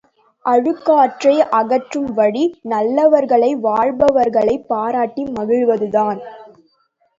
அழுக்காற்றை அகற்றும் வழி, நல்லவர்களை வாழ்பவர்களைப் பாராட்டி மகிழ்வது தான்.